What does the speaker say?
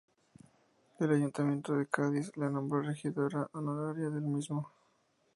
El Ayuntamiento de Cádiz la nombró regidora honoraria del mismo.